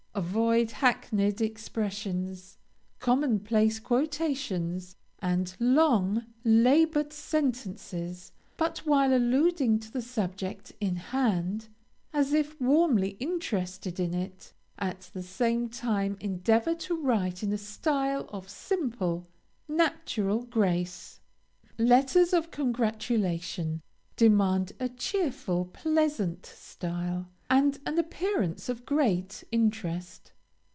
Avoid hackneyed expressions, commonplace quotations, and long, labored sentences, but while alluding to the subject in hand, as if warmly interested in it, at the same time endeavor to write in a style of simple, natural grace. LETTERS OF CONGRATULATION demand a cheerful, pleasant style, and an appearance of great interest.